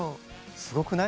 すごくない？